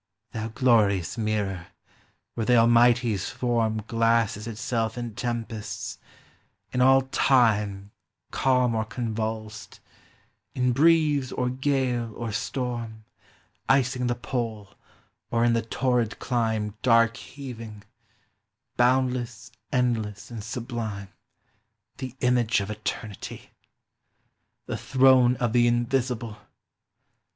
Thou glorious mirror, where the Almighty's form Glasses itself in tempests; in all time, THE SEA. 377 Calm or convulsed, — in breeze, or gale, or storm, Icing the pole, or in the torrid clime Dark heaving; boundless, endless, and sublime, The image of Eternity, — the throne Of the Invisible!